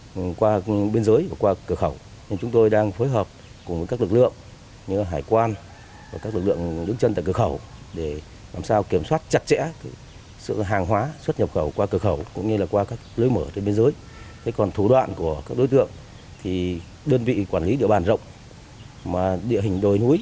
phương thức thủ đoạn của đối tượng sẽ ra rộn một hàng hóa xuất nhập khẩu qua cửa khẩu ra rộn một hàng xuất nhập khẩu